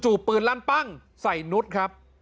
ปืนลั่นปั้งใส่นุษย์ครับ